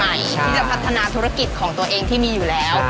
ที่จะพัฒนาธุรกิจของตัวเองที่มีอยู่แล้ว